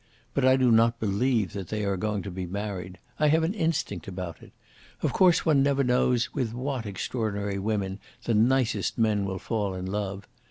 But I do not believe that they are going to be married. I have an instinct about it. Of course, one never knows with what extraordinary women the nicest men will fall in love.